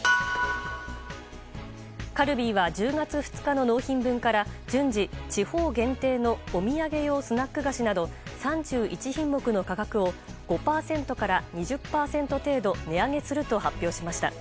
カルビーは１０月２日の納品分から順次、地方限定のお土産用スナック菓子など３１品目の価格を５％から２０％程度値上げすると発表しました。